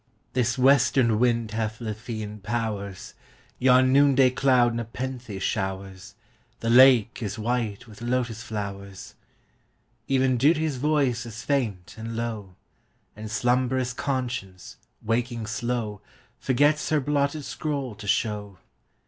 This western wind hath Lethean powers, Yon noonday cloud nepenthe showers, The lake is white with lotus flowers! Even Duty's voice is faint and low, And slumberous Conscience, waking slow, Forgets her blotted scroll to show.